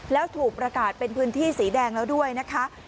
แล้วถูกประกาศเป็นพื้นที่สีแดงแล้วด้วยนะคะ